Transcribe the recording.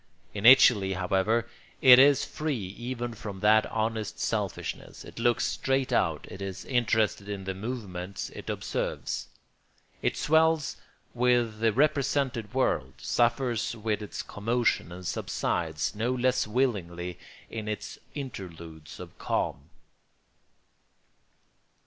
Initially, however, it is free even from that honest selfishness; it looks straight out; it is interested in the movements it observes; it swells with the represented world, suffers with its commotion, and subsides, no less willingly, in its interludes of calm.